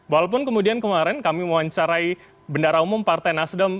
walaupun kemudian kemarin kami mewawancarai bendara umum partai nasdem